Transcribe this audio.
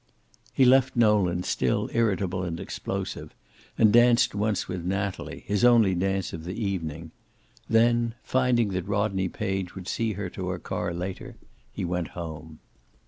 He left Nolan still irritable and explosive, and danced once with Natalie, his only dance of the evening. Then, finding that Rodney Page would see her to her car later, he went home.